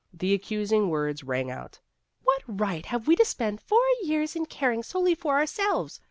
The accusing words rang out :" What right have we to spend four years in caring solely for ourselves?